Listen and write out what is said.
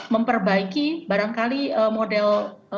memperbaiki barangkali model